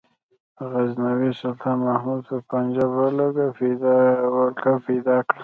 غزنوي سلطان محمود پر پنجاب ولکه پیدا کړه.